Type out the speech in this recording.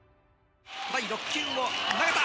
第６球を投げた！